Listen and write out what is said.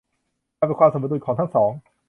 มันเป็นความสมดุลของทั้งสอง